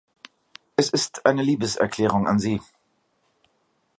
Es ist eine Liebeserklärung an sie.